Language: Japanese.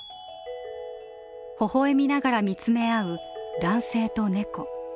微笑みながら、見つめ合う男性と猫。